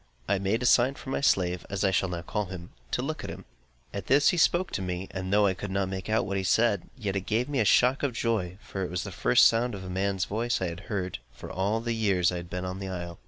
I made a sign for my slave (as I shall now call him) to look at him. At this he spoke to me, and though I could not make out what he said, yet it gave me a shock of joy; for it was the first sound of a man's voice that I had heard, for all the years I had been on the isle.